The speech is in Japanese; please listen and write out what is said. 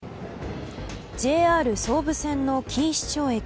ＪＲ総武線の錦糸町駅。